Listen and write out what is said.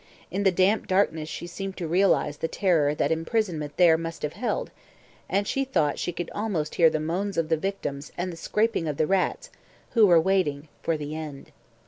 In the damp darkness she seemed to realise the terror that imprisonment there must have held, and she thought she could almost hear the moans of the victims and the scraping of the rats, who were waiting for the end.